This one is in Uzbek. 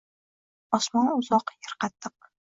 Osmon uzoq, er qattiq